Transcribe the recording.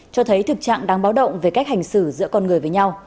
cho thấy thực trạng đáng báo động về cách hành xử giữa con người với nhau